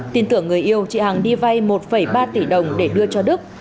tin tưởng người yêu chị hằng đi vay một ba tỷ đồng để đưa cho đức